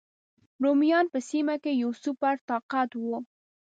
رومیان په سیمه کې یو سوپر طاقت و.